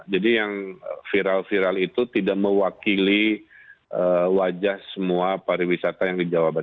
jadi yang viral viral itu tidak mewakili wajah semua pariwisata yang di jawa barat